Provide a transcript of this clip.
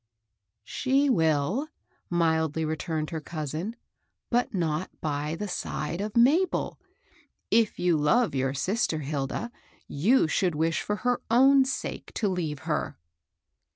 "She will," mildly returned her cousin; "but not by side of Mabel. If you love your sister, Hilda, you should wish for her own sake to leave her."